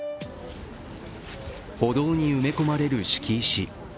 歩道に埋め込まれる敷石。